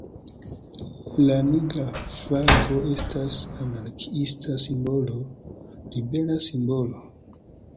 La Nigra Flago estas anarkiista simbolo, ribela simbolo.